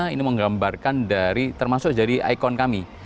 ini menggambarkan dari termasuk jadi ikon kami